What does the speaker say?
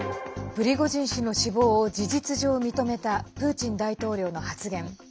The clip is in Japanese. プリゴジン氏の死亡を事実上認めたプーチン大統領の発言。